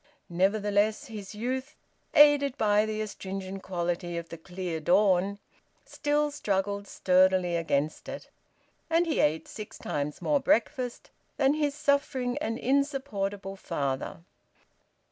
Nevertheless his youth, aided by the astringent quality of the clear dawn, still struggled sturdily against it. And he ate six times more breakfast than his suffering and insupportable father.